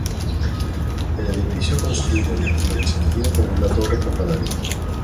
El edificio construido en estilo bizantino con una torre campanario.